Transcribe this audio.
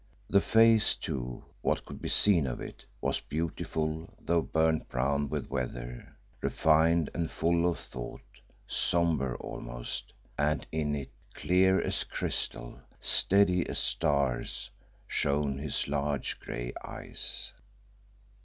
The face, too what could be seen of it was beautiful though burnt brown with weather; refined and full of thought, sombre almost, and in it, clear as crystal, steady as stars, shone his large grey eyes.